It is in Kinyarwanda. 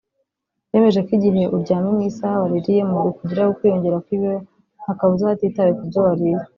Bemeje ko igihe uryamye mu isaha waririyemo bikugiraho ukwiyongera kw’ibiro nta kabuza hatitawe ku byo wariye